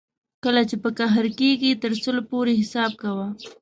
کله چې په قهر کېږې تر سل پورې حساب کوه.